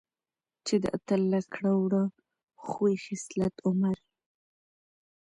چې د اتل له کړه وړه ،خوي خصلت، عمر،